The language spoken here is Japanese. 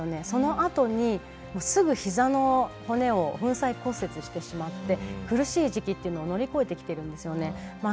そのあとにすぐひざの骨を粉砕骨折してしまって苦しい時期というのを乗り越えて来ているんですよね。